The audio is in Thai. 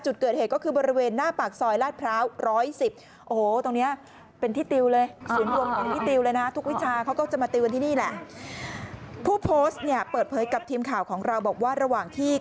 จุดเกิดเหตุก็คือบริเวณหน้าปากซอยลาดพร้าว๑๑๐